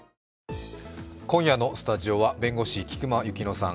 今夜のスタジオは弁護士、菊間千乃さん。